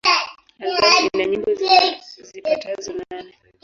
Albamu ina nyimbo zipatazo nane.